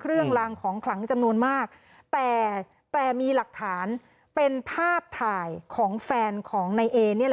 เครื่องลางของขลังจำนวนมากแต่แต่มีหลักฐานเป็นภาพถ่ายของแฟนของนายเอนี่แหละ